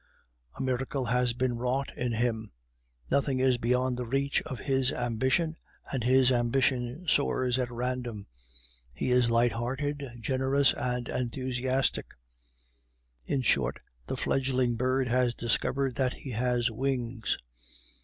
A miracle has been wrought in him. Nothing is beyond the reach of his ambition, and his ambition soars at random; he is light hearted, generous, and enthusiastic; in short, the fledgling bird has discovered that he has wings.